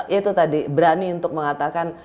ya itu tadi berani untuk mengatakan